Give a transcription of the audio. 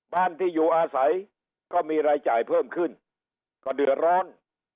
บ้านที่อยู่อาศัยก็มีรายจ่ายเพิ่มขึ้นก็เดือดร้อน